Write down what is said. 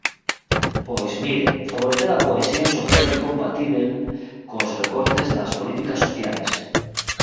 Pois, mire, favorecer a cohesión social incompatíbel cos recortes nas políticas sociais.